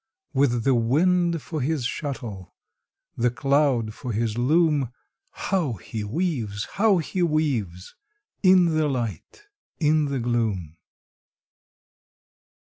With the wind for his shuttle The cloud for his loom, How he weaves! How he weaves! In the light, in the gloom.